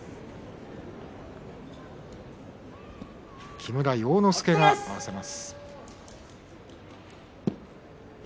木村要之助が合わせます。